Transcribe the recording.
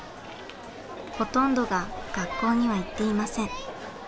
ほとんどが学校には行っていません。